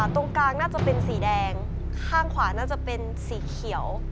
ตรงกลางน่าจะเป็นสีแดงข้างขวาน่าจะเป็นสีเขียว